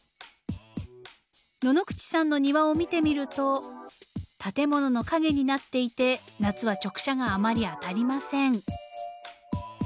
野々口さんの庭を見てみると建物の陰になっていて夏は直射があまり当たりません。